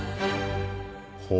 ほう。